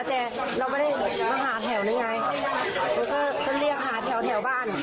แต่เราไม่ได้มาหาแถวนี้ไงแล้วก็จะเรียกหาแถวแถวบ้าน